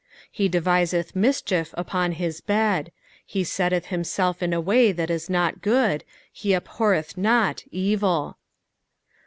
4 He deviseth mischief upon his bed ; he setteth himself in a way . that is not good ; he abhorreth not evil.